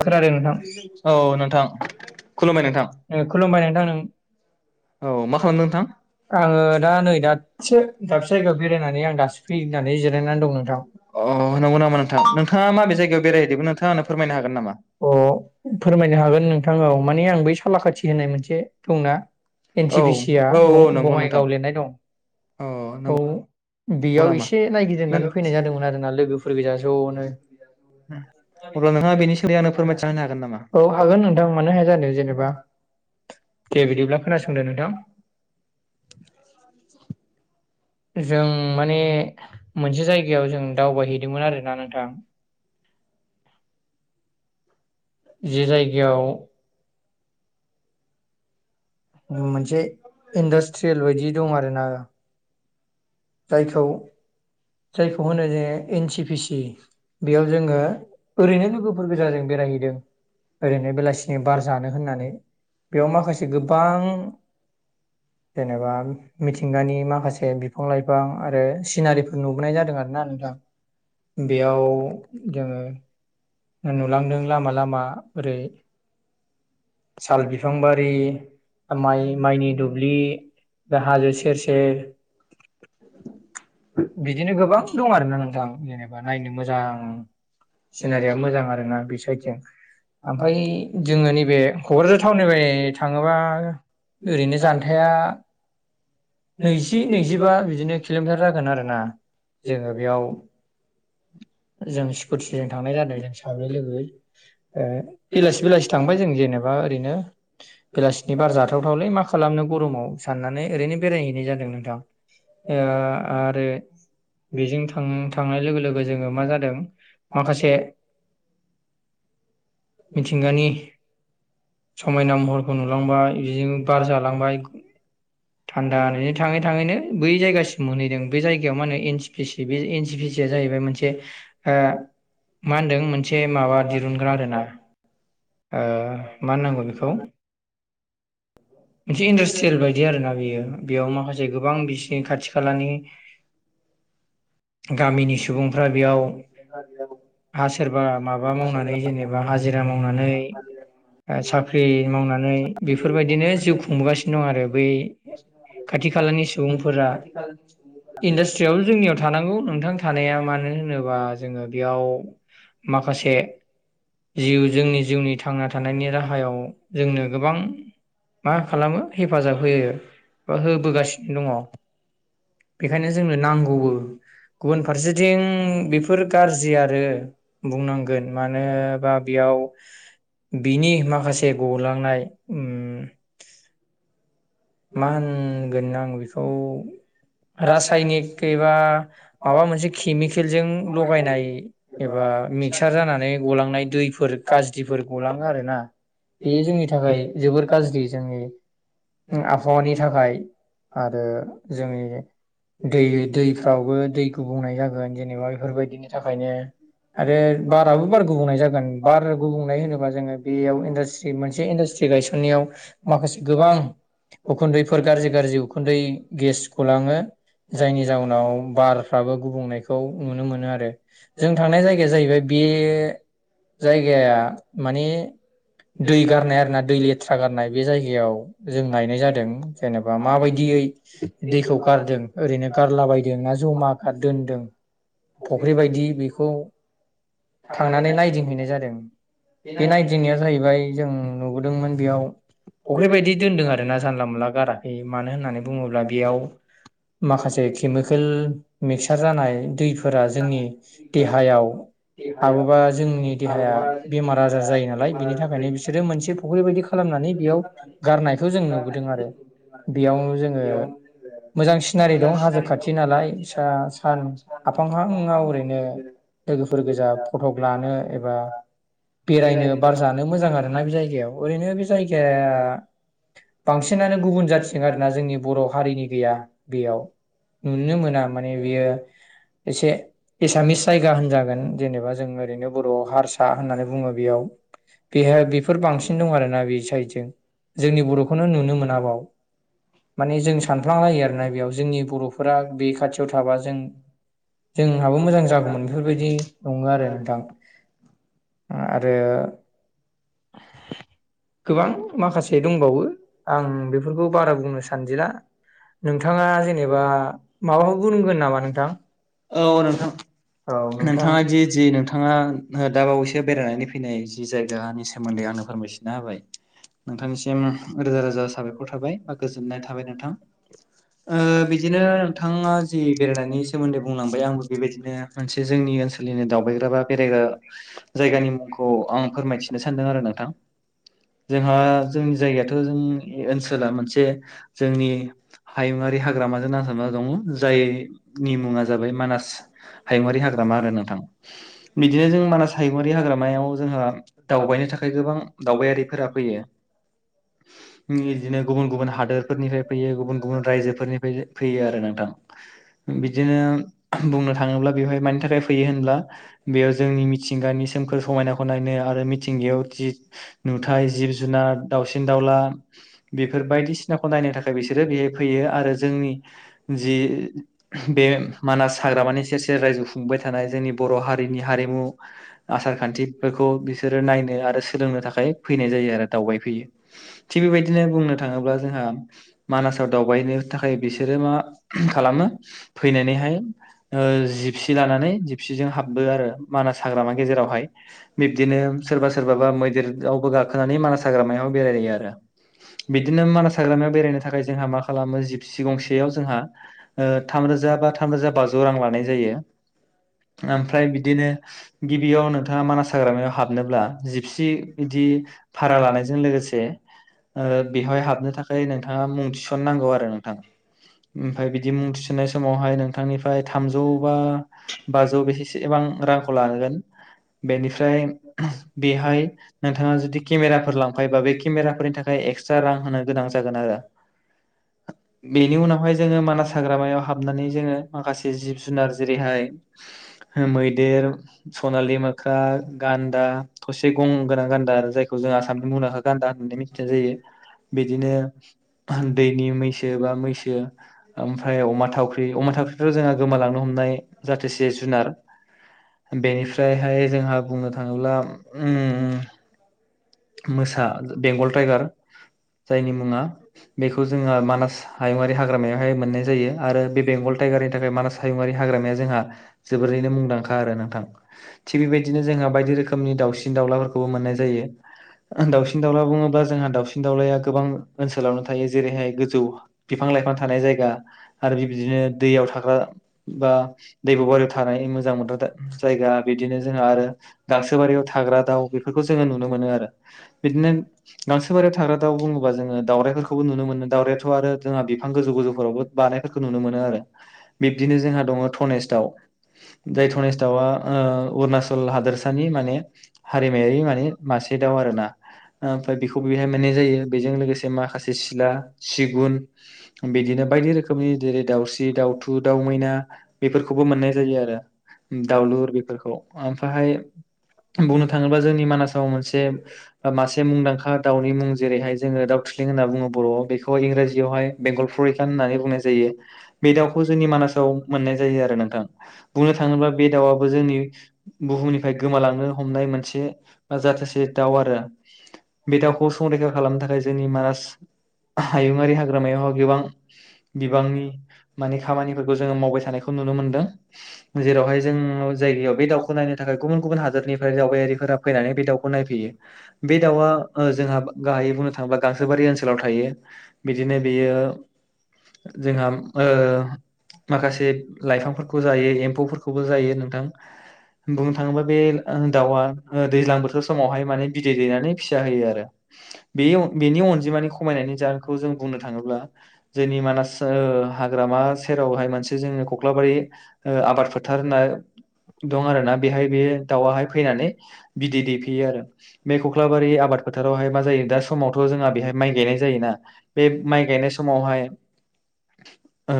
खोनादों नोंथां औ नोंथां। खुलुमबाय नोंथां। खुलुमबाय नोंथां नों औ मा खालामदों नोंथां? आङो दा नै दाबसे दाबसे जायगायाव बेरायनानै आं दासो फैनानै जिरायनानै दं नोंथां अ नंगौ नामा नोंथां? नोंथाङा माबे जायगायाव बेरायहैदोंमोन नोंथाङा आंनो फोरमाय अ, फोरमायनो हागोन नोंथां औ माने आं बै सालाखााथि होननाय मोनसे दंना? एन औ सि बि सिया? औ औ नंगौ नोंथां बङाइगाव लिरनाय दं। औ। बेयाव नामा एसे नायगिदिंनानै फैनाय जादोंमोन आरोना लोगोफोर गोजा ज'नो। अब्ला नोंथाङा बेनि सोमोन्दै आंनो [unintelligible] फोरमायथिना होनो हागोन नामा औ हागोन नोंथां मानो हाया जानो। जेनो बा दे बिदिब्ला खोनासंदो नोंथां। [unintelligible] जों माने मोनसे जायगायाव जों दावबायहैदोंमोन आरोना नोंथां। [unintelligible] जे जायगायाव मोनसे इन्डास्ट्रियेल बायदि दं आरो ना। दा बेखौ जायखौ होनो जोङो एन सि पि सि, बेयाव जोङो ओरैनो लोगोफोर गोजा जों बेराय हैदों। ओरैनो बेलासिनि बार जानो होननानै। बेयाव माखासे गोबां जेनोबा मिथिंगानि माखासे बि फां लायफां आरो [unintelligible] नुबोनाय जादों आरोना नोंथां। बेयाव जोङो नुलांदों लामा लामा ओरै साल बिफांबारि, माइ माइनि दुब्लि दा हाजो सेेर सेर [unintelligible] बिदिनो गोबां दं आरोना नोंथां जेनोबा नायनो मोजां सिनारियाबो मोजां आरो ना बे साइदजों। ओमफ्राय जोङो नैबे क'क्राझार टाउननिफ्राय थाङोबा ओरैनो जान्थाया नैजि नैजिबा बिदिनो किल'मिटार जागोन आरोना। जोङो बेयाव जों स्कुटिजों थांनाय जादों जों सानैै लोगो ओ बेलासि बेलासि थांबाय जों जेनोबा ओरैनो बेलासिनि बार जाथावथावलै मा खालामनो गरमाव साननानै ओरैनो बेरायहैनाय जादों नोंथां। ओ आरो बेजों थां थांनाय लोगो लोगो जोङो जों माखासे मिथिंगानि समायना महरखौ नुलांबाय बिदिनो बार जालांबाय थान्दा होनैनो थाङै थाङैनो बै जायगासिम मोनहै दों। बे जायगायाव मा होनो एन सि पि सि बे एन सि पि सि आया जाहैबाय मोनसे मा होनदों मोनसे माबा दिरुनग्रा आरोना ओ मा नांगौ बेखौ मोनसे इन्डास्ट्रियेल बायदि आरो ना बेयो बेयाव माखासे गोबां बिसिनि खाथि खालानि गामिनि [unintelligible] बेयाव [unintelligible] हा सोरबा माबा मावनानै जेनोबा हाजिरा मावनानै साख्रि मावना नै बेफोरबायदिनो जिउ खुंबोगासिनो दं आरो बै खाथि खालानि सुबुंफोरा। इन्डास्ट्रियावबो जोंनियाव थानांगौ नोंथां थानाया मानो होनोबा जोङो बेयाव माखासे जिउ जोंनि जिउनि थांना थानायनि राहायाव जोंनो गोबां मा खालामो हेफाजाब होयो बा होबोगासिनो दङ। बेखायनो जोंनो नांगौबो गुबुन फार सेथिं बेफोर गाज्रि आरो बुंनांगोन मानोबा बेयाव बिनि माखासे गौलांनाय उम मा होनगोन आं बेखौ रासायनिक एबा माबा मोनसे केमिकेलजों लगायनाय एबा मिक्सार जानानै गलांनाय दैफोर गाज्रिफोर गलाङो आरो ना बेयो जोंनि थाखाय जोबोर गाज्रि जोंनि आबहावानि थाखाय आरो जोंनि दै दैफ्रावबो दै गुबुंनाय जागोन जेनेबा बेफोरबायदिनि थाखायनो। आरो बाराबो बार गुबुंनाय जागोन बार गुबुंनाय होनोबा जोङो बेयाव इन्डास्ट्रि मोनसे इन्डास ट्रि गायसननायाव माखासे गोबां उखुन्दैफोर गाज्रि गाज्रि उखुन्दै गेस गलाङो जायनि जाउनाव बारफ्राबो गुबुंनायखौ नुनो मोनो आरो जों थांनाय जायगाया जाहैबाय बे जायगाया माने दै गारनाय आरो ना दै लेथ्रा गारनाय बे जायगायाव जों नायनाय जादों जेनेबा माबायदियै दैखौ गारदों ओरैनो गारलाबायदों ना ज' मा दोनदों फुख्रि बायदि बेखौ थांनानै नायदिंहैनाय जादों। बे नायदिंनाया जाहैबाय जों नुबोदोंमोन बेयाव फुख्रि बायदि दोनदों आरोना जानला मोनला गाराखै मानो होननानै बुङोब्ला बेयाव माखासे केमिकेल मिक्सार जानाय दैफो फोरा जोंनि देहायाव हाबोबा जोंनि देहाया बेमार आजार जायो नालाय बिनि थाखायनो बिसोरो मोनसे फुख्रि बायदि खालाम नानै बेयाव गारनायखौ जों नुबोदों आरो बेयावनो जोङो मोजां सिनारि दं हाजो खाथि नालाय सा सान आफां फाङाव ओरैनो लोगोफोर गोजा फट' लानो एबा बेरायनो बार जानो मोजां आरोना बे जायगायाव ओरैनो बे जायगाया बांसिनानो गुबुन जाथिजों आरोना जोंनि बर' हारिनि गैया बेयाव। नुनो मोना माने बियो एसे एसामिस जायगा होनजागोन जेनेबा जों ओरैनो बर'आव हारसा होननानै बुङो बेयाव बेहाय बेफोर बांसिन दं आरोना बे साइडजों जोंनि बर'खौनो नुनो मोनाबाव। माने जों सानफ्लांलायो आरोना बेयाव जोंनि बर'फोरा बे खाथियाव थाबा जों जोंहाबो मोजां जागौमोन बेफोरबायदि नङो आरो नोंथां आरो गोबां माखासे दंबावो आं बेफोरखौ बारा बुंनो सानदिला नोंथाङा जेनेबा माबाखौ बुंगोन नामा नोंथां? औ नोंथां औ नोंथां नोंथाङा जि जि नोंथाङा दा बावैसो बेरायनानै फैनाय जि जायगानि सोमोन्दै आं नो फोरमायसिनना होबाय नोंथां निसिम रोजा रोजा साबायखर थाबाय बा गोजोननाय थाबाय नोंथां। ओ बिदिनो नोंथाङा जि बेरायनायनि सोमोन्दै बुंलांबाय आंबो बेबायदिनो मोनसे जोंनि जोंनि ओनसोलनिनो दावबायग्रा बा बेरायग्रा जायगानि मुंखौ आं फोरमायथिनो सानदों आरो नोंथां। जोंहा जोंनि जायगायाथ' जों ओनसोला मोनसे जोंनि हायुङारि हाग्रामाजों नांजाबना दङ जायनि मुङा जाबाय मानास हायुंआारि हाग्रामा आरो नोंथां बिदिनो जों मानास हायुंआारि हाग्रामायाव जोंहा दावबायनो थाखाय गोबां दावबायारिफोरा फैयो। बिदिनो गुबुन गुबुन हादोरफोरनिफ्राय फैयो गुबुन गुबुन रायजोफोरनिफ्राय फैयो आरो नोंथां। बिदिनो बुंनो थाङोब्ला बेवहाय मानि थाखाय फैयो होनब्ला बेयाव जोंनि मिथिंगानि सोमखोर समायनाखौ नायनो आरो मिथिंगायाव जि नुथाय जिब जुनार दाावसिन दाउला बेफोर बायदिसिनाखौ नायनो थाखाय बिसोरो बेहाय फैयो आरो जोंनि जि बे मानास हाग्रामानि सेरसेेर रायजो खुंबाय थानाय जोंनि बर' हारिनि हारि हारिमु आसार खान्थिफोरखौ बिसोरो नायनो आरो सोलोंनो थाखाय फैनाय जायो आरो दावबाय फैयो थिग बेबायदिनो बुंनो थाङोब्ला जोंहा मानासाव दावबायनो थाखाय बिसोरो मा खालामो फैनानैहाय ओ जिपसि लानानै जिपसिजों हाबबो आरो मानास हाग्रामा गेजेरावहाय बिबदिनो सोरबा सोरबाबा मैदेरावबो गाखोनानै मानास हा ग्रामायाव बेरायो आरो बिदिनो मानास हाग्रामायाव बेरायनो थाखाय जोंहा मा खालामो जिबसि गंसेयाव जोंहा ओ थाम रो रोजा बा थाम रोजा बाजौ रां लानाय जायो ओमफ्राय बिदिनो गिबियाव नोंथाङा मानास हाग्रामायाव हाबनोब्ला जिपसि बिदि भारा लानाय जों लोगोसे ओ बेवहाय हाबनो थाखाय नोंथाङा मुं थिसननांगौ आरो नोंथां ओमफाय बिदि मुं थिसन्नाय समावहाय नोंथांनिफ्राय थामजौ बा बाजौ बेसेसेबां रांखौ लागोन बेनिफ्राय बेहाय नोंथाङा जुदि केमेराफोर लांफायोबा बे केमेराफोरनि थाखाय एक्सट्रा रां होनो गोनां जागोन आरो बेनि उनावहाय जोङो मानास हाग्रामायाव हाबनानै जोङो माखासे जिब जुनार जेरैहाय मैदेर सनालि मोख्रा गान्दा थसे गं गोनां गान्दा आरो जाय जों आसाम गान्दा होननानै मिथिनाय जायो बिदिनो दैनि मैसो बा मैसो ओमफ्राय अमा थावख्रि अमा थावख्रि' जोंहा गोमालांनो हम नाय जाथेसे जुनार बेनिफ्रायहाय जोंहा बुंनो थाङोब्ला ओम मोसा बेंगल टाइगार जायनि मुङा बेखौ जोङो मानास हायुङारि हाग्रामायावहाय मोननाय जायो आरो बे बेंगल थाइगारनि थाखाय मानास हायुंङारि हाग्रामाया जोंहा जोबोरैनो मुंदांखा आरो नोंथां थिग बेबायदिनो जों जोंहा बायदि रोखोमनि दावउसिन दाउलाफोरखौबो मोननाय जायो दाउसिन दाउला बुङोबा जोंहा दाउसिन दाउलाया गोबां ओनसोलावनो थायो जेरैहाय गोजौ बिफां बिफां लाइफां थानाय जायगा आरो बेबायदिनो दैयाव थाग्रा बा दैब' बारियाव थानाय मोदां मोदादा गजायगा बिदिनो जोंहा आरो गांसोबारियाव थाग्रा दाउ बेफोरखौ जोङो नुनो मोनो आर बिदिनो गांसो बारियाव थाग्रा दाउ बुङोबा जोङो दावउरायफोरखौबो नुनो मोनो दाउराइ आथ' आरो जोङ बिफां गोजौ गोजौफोरावबो बानायफोरखौ नुनो मोनो आरो बिब्दिनो जोंहा दङ धनेस्त दाव जाय धनेस दावआ अरुणाचल हादोरसानि माने हारिमायारि माने मासे दाव आरो ना ओमफ्राय बेखौबो बेहाय मोननाय जायो बेजों लोगोसे माखासे सिला सिगुन बिदिनो बायदि रोखोमनि जेरै दावसि दाउथु दाउ मैना बेफोरखौबो मोननाय जायो आरो दावलुर बेफोरखौ ओमफाहाय बुंनो थाङोब्ला जोंनि मानासाव मोनसे से मासे मुंदांखा दाउनि मुं जेरैहाय जोङो दाउ थ्लिं होनना बुङो बर' बेखौ इंजियाव हाय बेंगल फरीकाण होननानै बुंनाय जायो बे दाउखौ जोंनि मानासाव मोन्नाय जायो आरो नोंथां। बुंनो थाङोब्ला बे दाउआबो जोंनि बुहुमनिफ्राय गोमालांनो हमनाय मोनसे जाथोसे दाव आरो बे दावखौ संरैखा खालामनो थाखाय जोंनि मानास हायुङारि हाग्रामायावहा गोबां बिबांनि मानि खामानिफोरखौ जोङो मावबाय थानायखौ नुनो मोनदों जेरावहाय जोङो जायगायाव बे दाउखौ नायनो थाख खाय गुबुन गुबुन हादरनिफ्राय दावबायारिफोरा फैनानै बे दाव बे दाउआ जोंहा गाहायै बुंनो थाङोबा गांसोबारि ओनसोलाव थायो बिदिनो बे ओ जोंहाम ओ माखासे लाइफांफोरखौ जायो एम्फौफोरखौबो जायो नोंथां बुंनो थाङोबा बे दाउआ दैज्लां बोथोर समावहाय माने बिदै दैनानै फिसा होयो आरो बे बेनि अनजिमानि खमायनायनि जाहोनखौ जों बुंनो थाङोब्ला जोंनि मानास हाग्रामा सेरावहाय मोनसे जोंनि कख्लाबारि आबाद फोथार होन दं आरोना बेहाय बे दाउहाय फैनानै बिदै दै फै बे मब आ मा जायो दा समावथ' जों जोंहा आद बेहाय माइ गायनाय गैनाय जायोना जायो बे गे माइ गायनाय म समावहाय ओ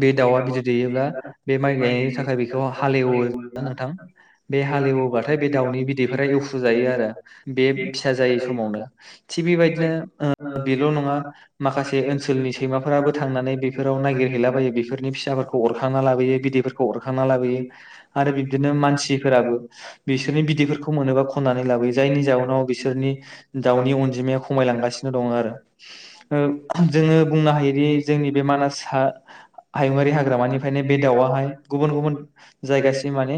बे दाउआ गिदिर दैयोब्ला बे माइ गायनायनि थाखाय बेखौ हालेवो न नोंथां थां बे हालेवबाथाय बे दाउनि बिदैफोरा एवफु जायो आरो बे फिसा जायै समावनो थि बेबायदिनो बेल' नङा माखासे ओनसोलनि सैमाफोराबो थांनानै बेफोराव नायागिरहैलाबायो बेफोरनि फिसाफोरखौ अरखांना लाबोयो बिदै फोरखौ अरखांना लाबोयो आरो बिब्दिनो मानसिफोराबो बिसोरनि बिदैफोरखौ मोनोबा खन्ना नै लाबोयो जायनि जउनाव बिसोरनि दाउनि अनजिमाया खमायलांगासिनो दं आरो जोङो बुंनो हायोदि जोंनि बे मानास हा हायुङारि हाग्रामानिफ्रायनो बे दाउवाहाय गुबुन गुबुन जायगासिम माने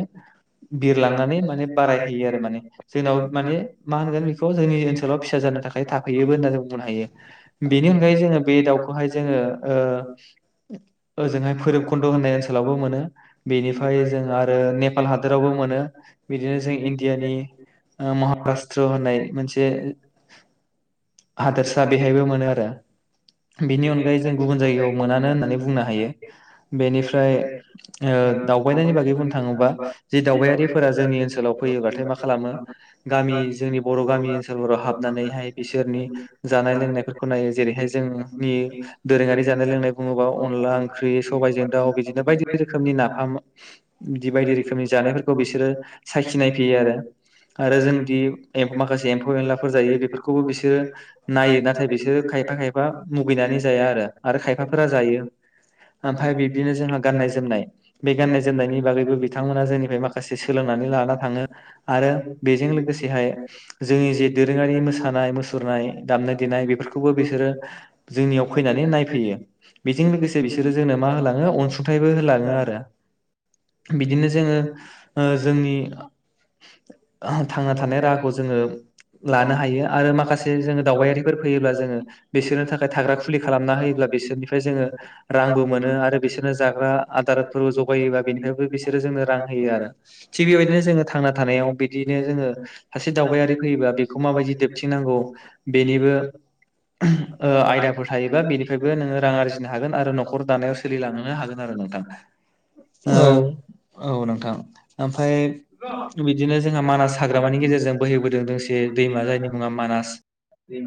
बिरलांनानै माने बारायहैयो आरो माने जोंनाव माने मा होनगोन बेखौ जोंनि ओनसोलाव फिसा जानो थाखाय थाफैयोबो होन्ना जों बुंनो हायो बेनि अनगायै जोङो बे दाउखौहाय जोङो ओ ओजोंहाय भैरबकुन्द' होननाय ओनसोलावबो मोनो बेनिफ्राय जों आरो नेपाल हादोरावबो मो मोनो बिनो जों इण्डियानि ओ महाराष्ट्र होननाय मोनसे हादोरसा बेहायबो मोनो आरो बेनि अनगायै जों गुबुन जायगायाव मोनानो होननानै बुंनो हायो बेनिफ्राय ओ ओ दावबायनायनि बागै बुंनो थाङोबा जि दावबायारिफोरा जोंनि ओनसोलाव फैयोबब्लाथाय मा खालाम गामि जोंनि बर' गामि ओनसोलफोराव हाबनानैहाय बिसोरनि जानाय लोंनायफोरखौ ना यो जेरैहाय जों नि दोरोङारि जानाय लोंनाय बुङोबा अनला ओंख्रि सबाइ जों दाउ बिदिनो बा बायदि रोखोमनि नाफाम बिदि बायदि रोखोमनि जानायफोरखौ बिसोरो सायखिनाय फैयो आरो आरो जोंदि माखासे एम्फौ एनलाफोर जायो बेफोरखौबो बिसोरो नायो नाथाय बिसोरो खायफा खायफा मुगैनानै जाया आरो आरो खायफाफोरा जायो ओमफाय बिब्दिनो जोंहा गाननाय जोमनाय बे गाननाय जोमनायनि बागैबो बिथांमोना जोंनिफ्राय माखासे सोलोंना नै लाना थाङो आरो बेजों लोगोसेहाय जोंनि जे दोरोङारि मोसानाय मुसुरनाय दामनाय देनाय बेफोर बो बिसोरो जोंनियाव फैनानै नायफैयो बेजों लोगोसे बिसोरो जोंनो मा होलाङो अनसु न्थाइबो होलाङो आरो बिदिनो जोङो जोंनि थांना थानाय राहाखौ जोङो लानो हायो आरो माखासे जोङो दावबायारिफोर फैयोब्ला जोङो बिसोरनो थाखाय थाग्रा खुलि खालामना होयोब्ला बिसोरनिफ्राय जोङो रांबो मोनो आरो बिसोरनो जाग्रा आदारफोरबो जगायोबा बिनिफ्रायबो बिसोरो जों जोंनो रां होयो आरो थिग बेबायदिनो जोङो थांना थानायाव बिदिनो जोङो सासे दावबायारि फैयोबा बेखौ माबायदि दोबथिंनांगौ बेनिबो ओ आयदाफोर थायोबा बेनिफ्रायबो नोङो रां आरजिनो हागोन आरो न'खर दानायाव सोलिलांनो हागोन आरो नोंथां औ ओ औ नोंथां ओमफ्राय बिदिनो जोंहा मानास हाग्रामानि बिनि गेजेरजों बोहैबोदों दोंसे लोगोसे दैमा जायनि मुङा जों मानास दैमाजों